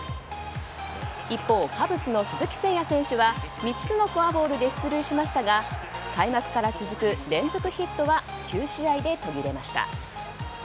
一方、カブスの鈴木誠也選手は３つのフォアボールで出塁しましたが開幕から続く連続ヒットは９試合で途切れました。